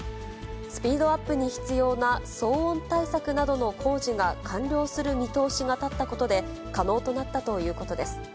スピードアップに必要な騒音対策などの工事が完了する見通しが立ったことで、可能となったということです。